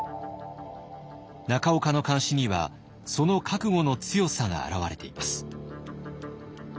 中岡の漢詩にはその覚悟の強さが表れています。